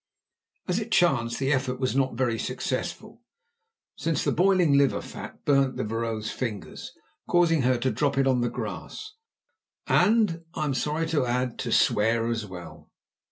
As it chanced the effort was not very successful, since the boiling liver fat burnt the vrouw's fingers, causing her to drop it on the grass, and, I am sorry to add, to swear as well.